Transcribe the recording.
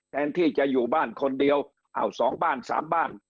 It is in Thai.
แทนที่จะอยู่บ้านคนเดียวอ้าวสองบ้านสามบ้าน